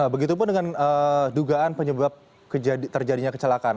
begitupun dengan dugaan penyebab terjadinya kecelakaan